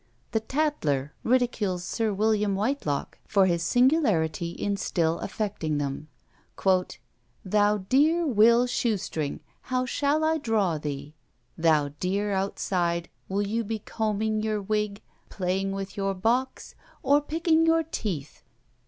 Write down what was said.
The Tatler ridicules Sir William Whitelocke for his singularity in still affecting them. "Thou dear Will Shoestring, how shall I draw thee? Thou dear outside, will you be combing your wig, playing with your box, or picking your teeth?"